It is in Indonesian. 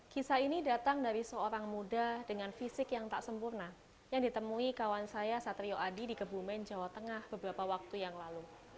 kisah ini datang dari seorang muda dengan fisik yang tak sempurna yang ditemui kawan saya satrio adi di kebumen jawa tengah beberapa waktu yang lalu